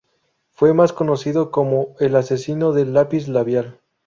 Fue más conocido como "El asesino del lápiz Labial".